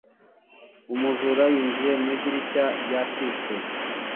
Umujura yinjiye mu idirishya ryacitse.